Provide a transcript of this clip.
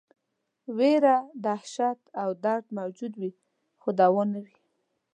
ویره، دهشت او درد موجود وي خو دوا نه وي.